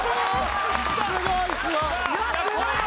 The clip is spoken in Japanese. すごいすごい！